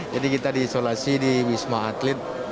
jadi kita diisolasi di wisma atit